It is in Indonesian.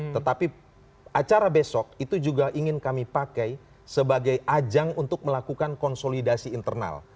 tetapi acara besok itu juga ingin kami pakai sebagai ajang untuk melakukan konsolidasi internal